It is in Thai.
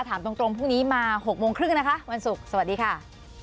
ถามตรงพรุ่งนี้มา๖โมงครึ่งนะคะวันศุกร์สวัสดีค่ะ